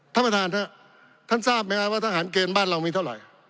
ท่านประธานครับท่านทราบไหมครับว่าทหารเกณฑ์บ้านเรามีเท่าไหร่